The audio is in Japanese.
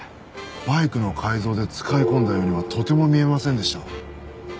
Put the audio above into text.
バイクの改造で使い込んだようにはとても見えませんでした。